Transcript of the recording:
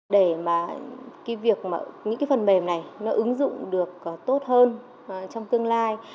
để những phần mềm này ứng dụng được tốt hơn trong tương lai